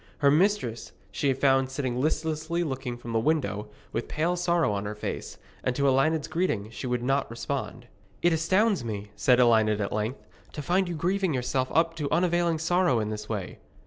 Her mistress she found sitting listlessly looking from the window with pale sorrow on her face; and to Elined's greeting she would respond not. 'It astounds me,' said Elined at length, 'to find you giving yourself up to unavailing sorrow in this way.'